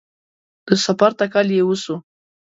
د سفر تکل یې وسو